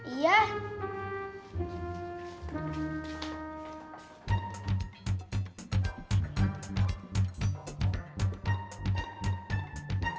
iya besok main lagi ya